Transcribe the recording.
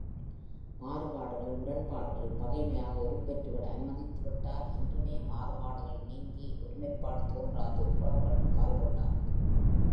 மாறுபாடுகள் முரண்பாடுகள் பகைமையாக உருப்பெற்றுவிட அனுமதித்து விட்டால் என்றுமே மாறுபாடுகள் நீங்கி ஒருமைப்பாடு தோன்றாது உறவுகளும் கால் கொள்ளா.